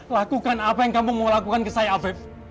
lakukan apa yang kamu mau lakukan ke saya aveb